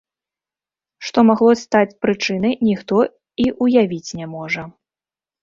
Што магло стаць прычынай, ніхто і ўявіць не можа.